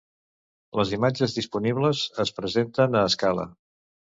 Les imatges disponibles es presenten a escala.